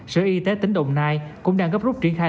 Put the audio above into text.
sở y tế tỉnh đồng nai cũng đang gấp rút triển khai